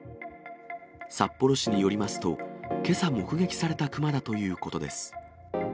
札幌市によりますと、けさ目撃された熊だということです。